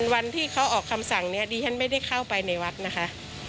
วันที่เขาออกคำสั่งนี้ดิฉันไม่ได้เข้าไปในวัดนะคะ